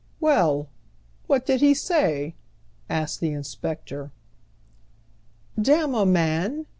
" AVell ! What did he say ?" asked the inspector. "' Damma, man